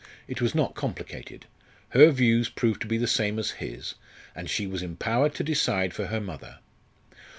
It was not complicated; her views proved to be the same as his; and she was empowered to decide for her mother.